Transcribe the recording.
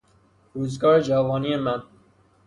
روزگار جوانی من